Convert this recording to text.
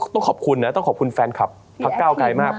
ต้องขอบคุณนะต้องขอบคุณแฟนคลับพักเก้าไกลมาก